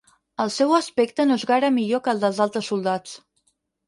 El seu aspecte no és gaire millor que el dels altres soldats.